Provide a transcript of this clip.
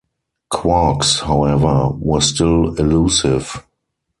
Quarks, however, were still elusive.